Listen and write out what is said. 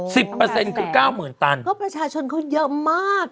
เปอร์เซ็นต์คือเก้าหมื่นตันก็ประชาชนเขาเยอะมาก